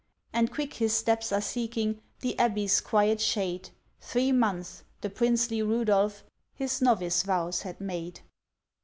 And quick his steps are seeking The Abbey's quiet shade; Three months—the princely Rudolph His novice vows had made.